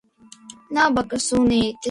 Nabaga sunītis.